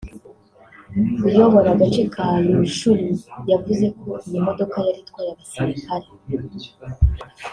uyobora agace ka Rutshuru yavuze ko iyi modoka yari itwaye abasirikare